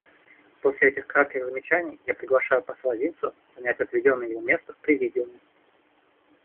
После этих кратких замечаний я приглашаю посла Зинсу занять отведенное ему место в Президиуме.